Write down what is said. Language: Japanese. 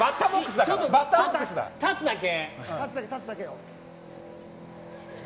立つだけ。